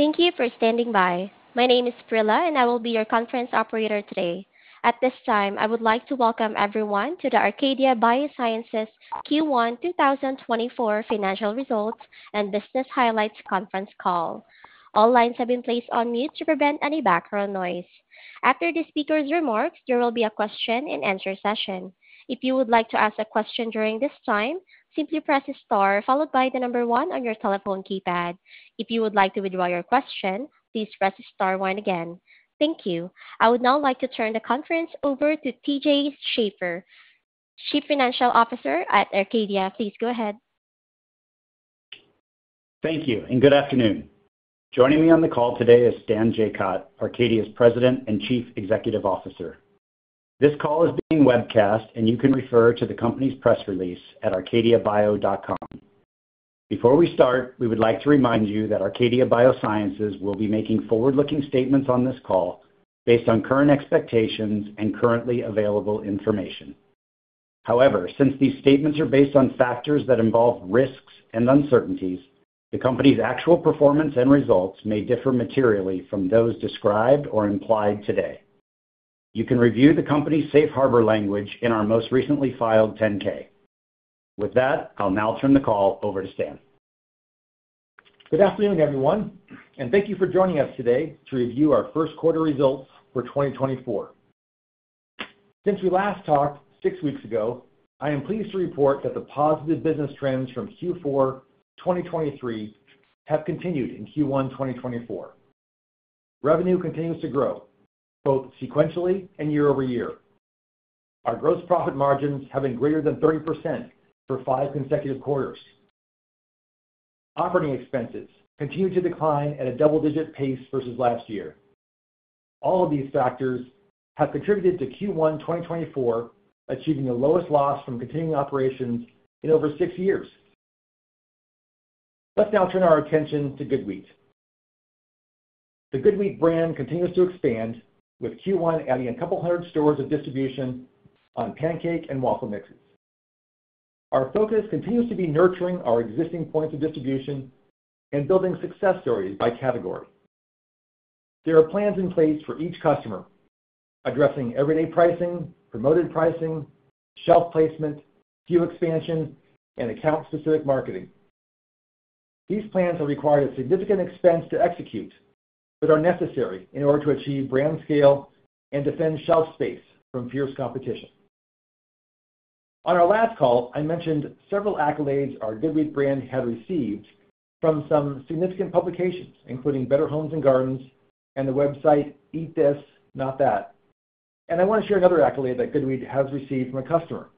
Thank you for standing by. My name is Prilla, and I will be your conference operator today. At this time, I would like to welcome everyone to the Arcadia Biosciences Q1 2024 Financial Results and Business Highlights conference call. All lines have been placed on mute to prevent any background noise. After the speaker's remarks, there will be a question-and-answer session. If you would like to ask a question during this time, simply press star followed by the number one on your telephone keypad. If you would like to withdraw your question, please press star again. Thank you. I would now like to turn the conference over to T.J. Schaefer, Chief Financial Officer at Arcadia. Please go ahead. Thank you, and good afternoon. Joining me on the call today is Stan Jacot, Arcadia's President and Chief Executive Officer. This call is being webcast, and you can refer to the company's press release at arcadiabio.com. Before we start, we would like to remind you that Arcadia Biosciences will be making forward-looking statements on this call based on current expectations and currently available information. However, since these statements are based on factors that involve risks and uncertainties, the company's actual performance and results may differ materially from those described or implied today. You can review the company's safe harbor language in our most recently filed 10-K. With that, I'll now turn the call over to Stan. Good afternoon, everyone, and thank you for joining us today to review our first quarter results for 2024. Since we last talked six weeks ago, I am pleased to report that the positive business trends from Q4 2023 have continued in Q1 2024. Revenue continues to grow, both sequentially and year-over-year. Our gross profit margins have been greater than 30% for five consecutive quarters. Operating expenses continue to decline at a double-digit pace versus last year. All of these factors have contributed to Q1 2024 achieving the lowest loss from continuing operations in over six years. Let's now turn our attention to GoodWheat. The GoodWheat brand continues to expand, with Q1 adding a couple hundred stores of distribution on pancake and waffle mixes. Our focus continues to be nurturing our existing points of distribution and building success stories by category. There are plans in place for each customer, addressing everyday pricing, promoted pricing, shelf placement, SKU expansion, and account-specific marketing. These plans are required at significant expense to execute but are necessary in order to achieve brand scale and defend shelf space from fierce competition. On our last call, I mentioned several accolades our GoodWheat brand had received from some significant publications, including Better Homes and Gardens and the website Eat This, Not That. I want to share another accolade that GoodWheat has received from a customer.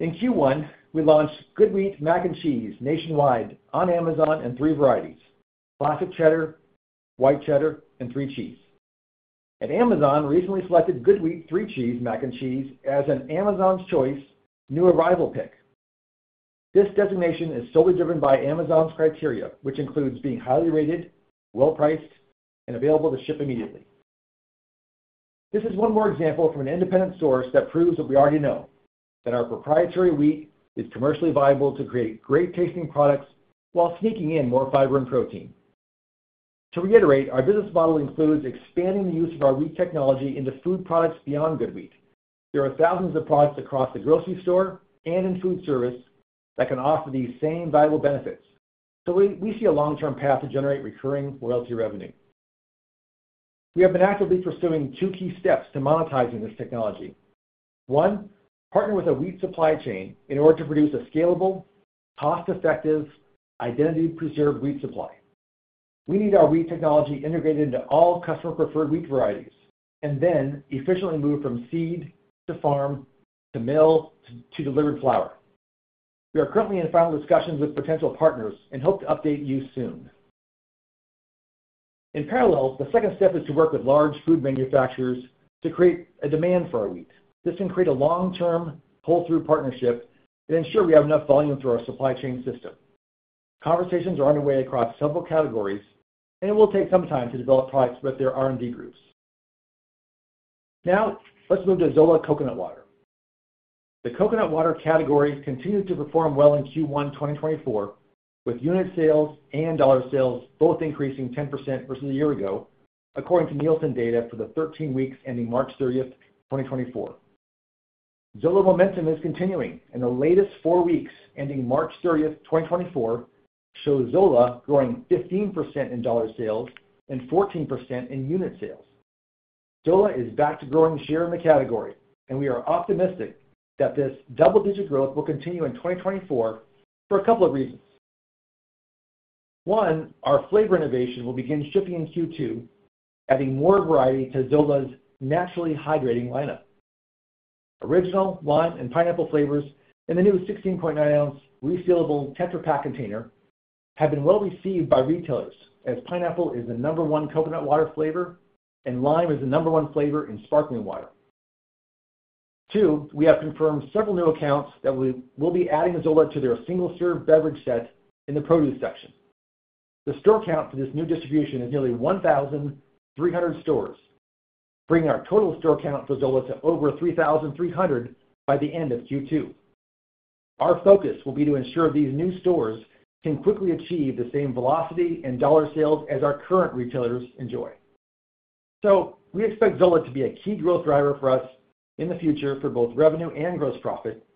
In Q1, we launched GoodWheat Mac and Cheese nationwide on Amazon in three varieties: Classic Cheddar, White Cheddar, and Three Cheese. Amazon recently selected GoodWheat Three Cheese Mac and Cheese as an Amazon's Choice New Arrival pick. This designation is solely driven by Amazon's criteria, which includes being highly rated, well-priced, and available to ship immediately. This is one more example from an independent source that proves what we already know: that our proprietary wheat is commercially viable to create great-tasting products while sneaking in more fiber and protein. To reiterate, our business model includes expanding the use of our wheat technology into food products beyond GoodWheat. There are thousands of products across the grocery store and in food service that can offer these same valuable benefits, so we see a long-term path to generate recurring royalty revenue. We have been actively pursuing two key steps to monetizing this technology. One, partner with a wheat supply chain in order to produce a scalable, cost-effective, identity-preserved wheat supply. We need our wheat technology integrated into all customer-preferred wheat varieties and then efficiently move from seed to farm to mill to delivered flour. We are currently in final discussions with potential partners and hope to update you soon. In parallel, the second step is to work with large food manufacturers to create a demand for our wheat. This can create a long-term, pull-through partnership and ensure we have enough volume through our supply chain system. Conversations are underway across several categories, and it will take some time to develop products with their R&D groups. Now, let's move to Zola Coconut Water. The coconut water category continued to perform well in Q1 2024, with unit sales and dollar sales both increasing 10% versus a year ago, according to Nielsen data for the 13 weeks ending March 30th, 2024. Zola momentum is continuing, and the latest four weeks ending March 30th, 2024 show Zola growing 15% in dollar sales and 14% in unit sales. Zola is back to growing share in the category, and we are optimistic that this double-digit growth will continue in 2024 for a couple of reasons. One, our flavor innovation will begin shipping in Q2, adding more variety to Zola's naturally hydrating lineup. Original Lime and Pineapple flavors in the new 16.9 oz resealable Tetra Pak container have been well received by retailers, as pineapple is the No. 1 coconut water flavor and lime is the No. 1 flavor in sparkling water. Two, we have confirmed several new accounts that will be adding Zola to their single-serve beverage set in the produce section. The store count for this new distribution is nearly 1,300 stores, bringing our total store count for Zola to over 3,300 by the end of Q2. Our focus will be to ensure these new stores can quickly achieve the same velocity and dollar sales as our current retailers enjoy. We expect Zola to be a key growth driver for us in the future for both revenue and gross profit,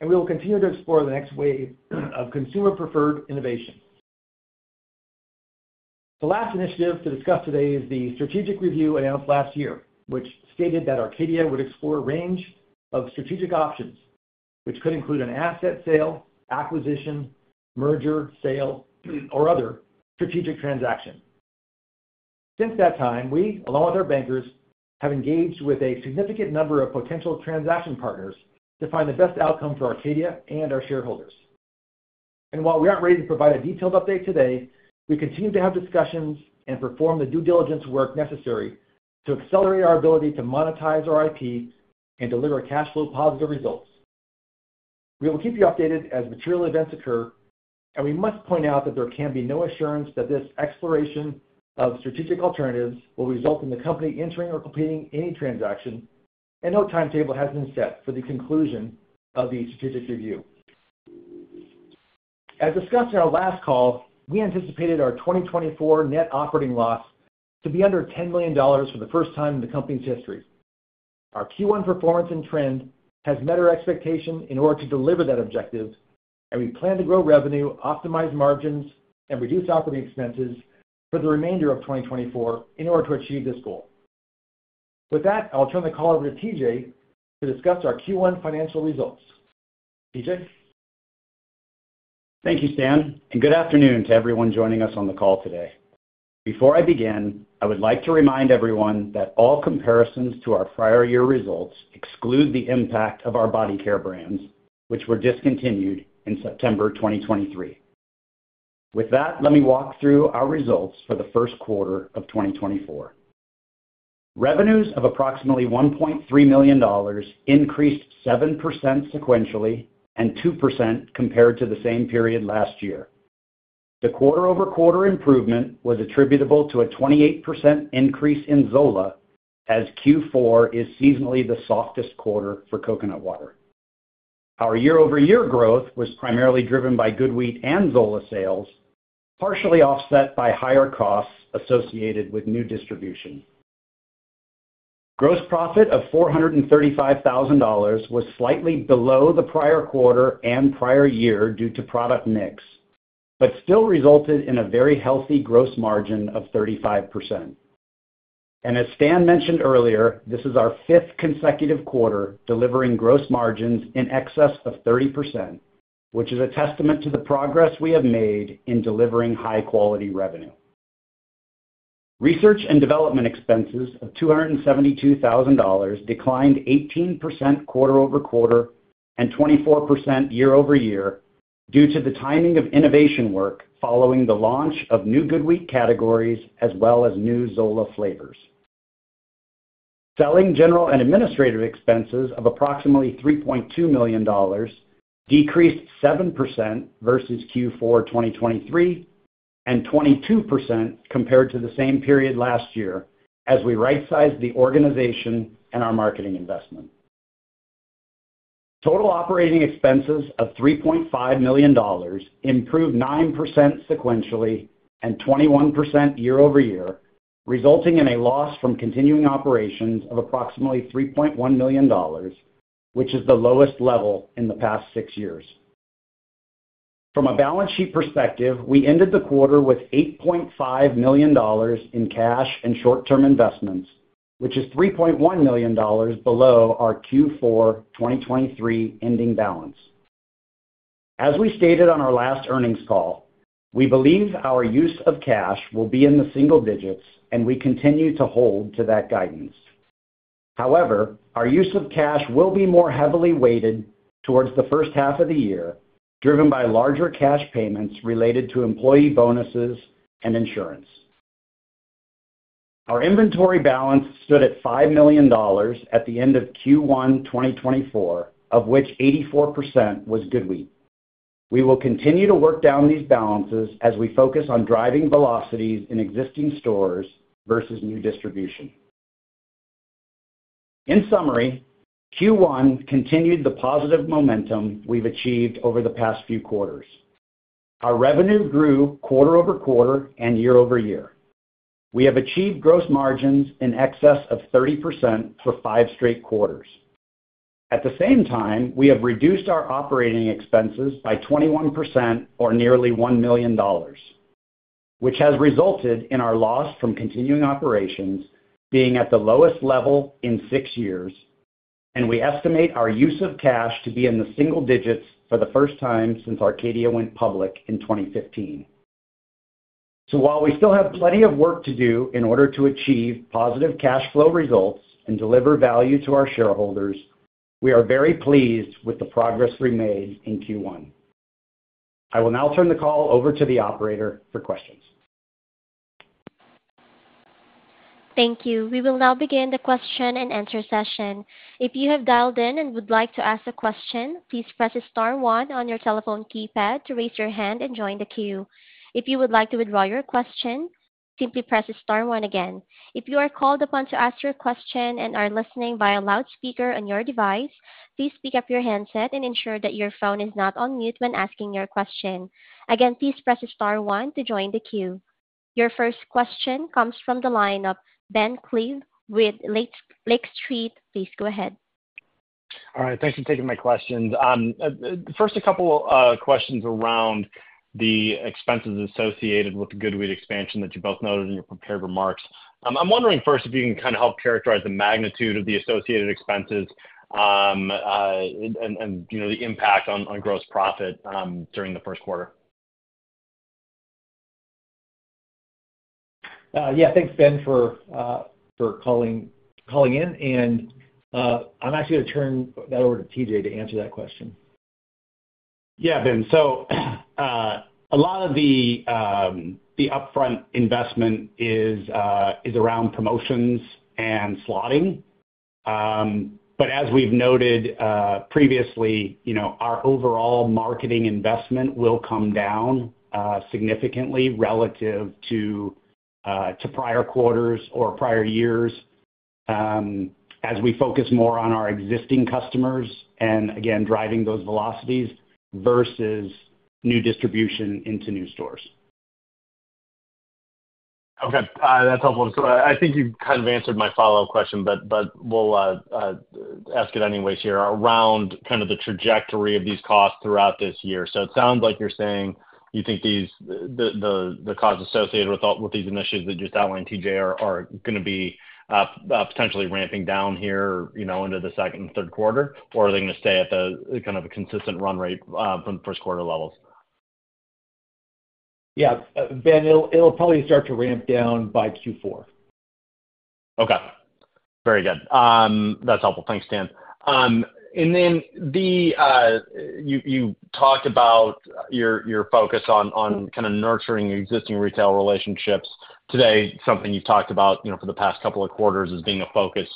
and we will continue to explore the next wave of consumer-preferred innovation. The last initiative to discuss today is the strategic review announced last year, which stated that Arcadia would explore a range of strategic options, which could include an asset sale, acquisition, merger, sale, or other strategic transaction. Since that time, we, along with our bankers, have engaged with a significant number of potential transaction partners to find the best outcome for Arcadia and our shareholders. And while we aren't ready to provide a detailed update today, we continue to have discussions and perform the due diligence work necessary to accelerate our ability to monetize our IP and deliver cash flow-positive results. We will keep you updated as material events occur, and we must point out that there can be no assurance that this exploration of strategic alternatives will result in the company entering or completing any transaction, and no timetable has been set for the conclusion of the strategic review. As discussed in our last call, we anticipated our 2024 net operating loss to be under $10 million for the first time in the company's history. Our Q1 performance and trend has met our expectation in order to deliver that objective, and we plan to grow revenue, optimize margins, and reduce operating expenses for the remainder of 2024 in order to achieve this goal. With that, I'll turn the call over to T.J. to discuss our Q1 financial results. T.J.? Thank you, Stan, and good afternoon to everyone joining us on the call today. Before I begin, I would like to remind everyone that all comparisons to our prior year results exclude the impact of our body care brands, which were discontinued in September 2023. With that, let me walk through our results for the first quarter of 2024. Revenues of approximately $1.3 million increased 7% sequentially and 2% compared to the same period last year. The quarter-over-quarter improvement was attributable to a 28% increase in Zola as Q4 is seasonally the softest quarter for coconut water. Our year-over-year growth was primarily driven by GoodWheat and Zola sales, partially offset by higher costs associated with new distribution. Gross profit of $435,000 was slightly below the prior quarter and prior year due to product mix, but still resulted in a very healthy gross margin of 35%. As Stan mentioned earlier, this is our fifth consecutive quarter delivering gross margins in excess of 30%, which is a testament to the progress we have made in delivering high-quality revenue. Research and development expenses of $272,000 declined 18% quarter-over-quarter and 24% year-over-year due to the timing of innovation work following the launch of new GoodWheat categories as well as new Zola flavors. Selling general and administrative expenses of approximately $3.2 million decreased 7% versus Q4 2023 and 22% compared to the same period last year as we right-sized the organization and our marketing investment. Total operating expenses of $3.5 million improved 9% sequentially and 21% year-over-year, resulting in a loss from continuing operations of approximately $3.1 million, which is the lowest level in the past six years. From a balance sheet perspective, we ended the quarter with $8.5 million in cash and short-term investments, which is $3.1 million below our Q4 2023 ending balance. As we stated on our last earnings call, we believe our use of cash will be in the single digits, and we continue to hold to that guidance. However, our use of cash will be more heavily weighted towards the first half of the year, driven by larger cash payments related to employee bonuses and insurance. Our inventory balance stood at $5 million at the end of Q1 2024, of which 84% was GoodWheat. We will continue to work down these balances as we focus on driving velocities in existing stores versus new distribution. In summary, Q1 continued the positive momentum we've achieved over the past few quarters. Our revenue grew quarter-over-quarter and year-over-year. We have achieved gross margins in excess of 30% for five straight quarters. At the same time, we have reduced our operating expenses by 21% or nearly $1 million, which has resulted in our loss from continuing operations being at the lowest level in six years, and we estimate our use of cash to be in the single digits for the first time since Arcadia went public in 2015. So while we still have plenty of work to do in order to achieve positive cash flow results and deliver value to our shareholders, we are very pleased with the progress we made in Q1. I will now turn the call over to the operator for questions. Thank you. We will now begin the question and answer session. If you have dialed in and would like to ask a question, please press star one on your telephone keypad to raise your hand and join the queue. If you would like to withdraw your question, simply press star one again. If you are called upon to ask your question and are listening via loudspeaker on your device, please speak up your handset and ensure that your phone is not on mute when asking your question. Again, please press star one to join the queue. Your first question comes from the lineup. Ben Klieve with Lake Street, please go ahead. All right. Thanks for taking my questions. First, a couple questions around the expenses associated with the GoodWheat expansion that you both noted in your prepared remarks. I'm wondering first if you can kind of help characterize the magnitude of the associated expenses and the impact on gross profit during the first quarter? Yeah. Thanks, Ben, for calling in. I'm actually going to turn that over to T.J. to answer that question. Yeah, Ben. So a lot of the upfront investment is around promotions and slotting. But as we've noted previously, our overall marketing investment will come down significantly relative to prior quarters or prior years as we focus more on our existing customers and, again, driving those velocities versus new distribution into new stores. Okay. That's helpful. So I think you've kind of answered my follow-up question, but we'll ask it anyways here around kind of the trajectory of these costs throughout this year. So it sounds like you're saying you think the costs associated with these initiatives that just outlined T.J. are going to be potentially ramping down here into the second and third quarter, or are they going to stay at kind of a consistent run rate from first-quarter levels? Yeah, Ben, it'll probably start to ramp down by Q4. Okay. Very good. That's helpful. Thanks, Stan. And then you talked about your focus on kind of nurturing existing retail relationships. Today, something you've talked about for the past couple of quarters as being a focus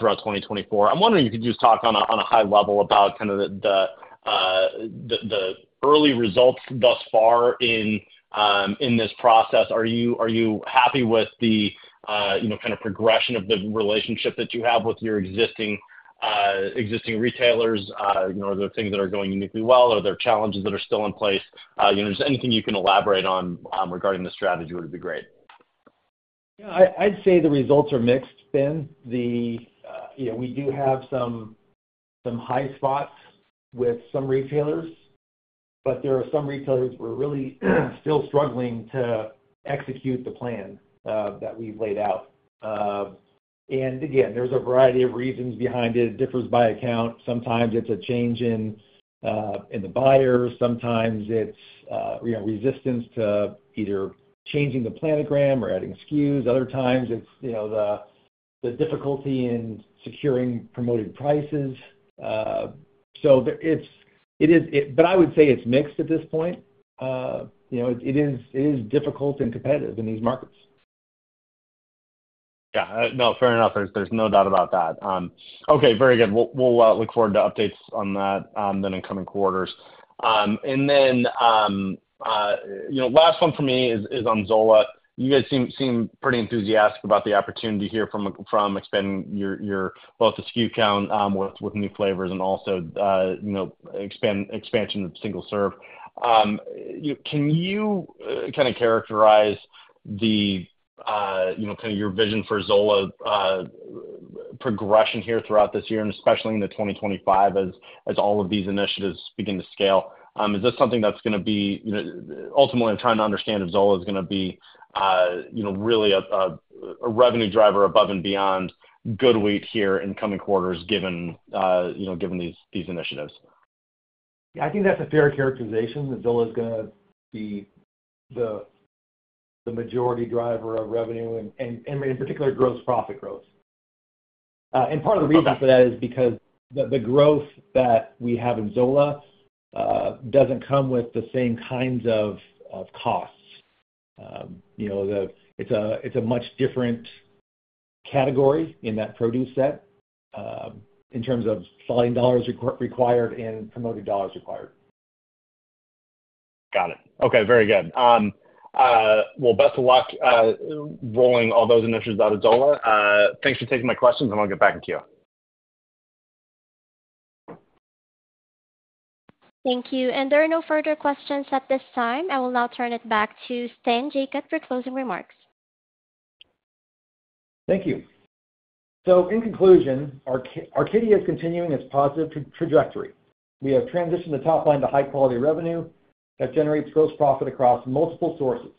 throughout 2024. I'm wondering if you could just talk on a high level about kind of the early results thus far in this process. Are you happy with the kind of progression of the relationship that you have with your existing retailers? Are there things that are going uniquely well, or are there challenges that are still in place? Just anything you can elaborate on regarding the strategy would be great. Yeah. I'd say the results are mixed, Ben. We do have some high spots with some retailers, but there are some retailers who are really still struggling to execute the plan that we've laid out. And again, there's a variety of reasons behind it. It differs by account. Sometimes it's a change in the buyers. Sometimes it's resistance to either changing the planogram or adding SKUs. Other times, it's the difficulty in securing promoted prices. So it is, but I would say it's mixed at this point. It is difficult and competitive in these markets. Yeah. No, fair enough. There's no doubt about that. Okay. Very good. We'll look forward to updates on that then in coming quarters. And then last one for me is on Zola. You guys seem pretty enthusiastic about the opportunity here from expanding both the SKU count with new flavors and also expansion of single serve. Can you kind of characterize kind of your vision for Zola's progression here throughout this year, and especially in 2025 as all of these initiatives begin to scale? Is this something that's going to be ultimately, I'm trying to understand if Zola is going to be really a revenue driver above and beyond GoodWheat here in coming quarters given these initiatives? Yeah. I think that's a fair characterization, that Zola is going to be the majority driver of revenue and, in particular, gross profit growth. Part of the reason for that is because the growth that we have in Zola doesn't come with the same kinds of costs. It's a much different category in that produce set in terms of slotting dollars required and promoted dollars required. Got it. Okay. Very good. Well, best of luck rolling all those initiatives out of Zola. Thanks for taking my questions, and I'll get back in queue. Thank you. There are no further questions at this time. I will now turn it back to Stan Jacot for closing remarks. Thank you. So in conclusion, Arcadia is continuing its positive trajectory. We have transitioned the top line to high-quality revenue that generates gross profit across multiple sources.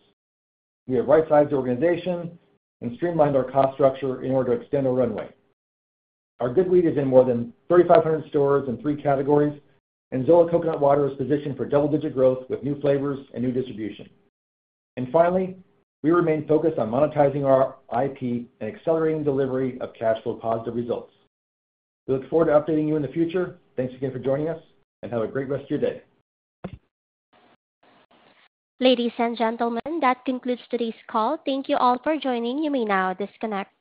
We have right-sized the organization and streamlined our cost structure in order to extend our runway. Our GoodWheat is in more than 3,500 stores in three categories, and Zola coconut water is positioned for double-digit growth with new flavors and new distribution. And finally, we remain focused on monetizing our IP and accelerating delivery of cash flow-positive results. We look forward to updating you in the future. Thanks again for joining us, and have a great rest of your day. Ladies and gentlemen, that concludes today's call. Thank you all for joining. You may now disconnect.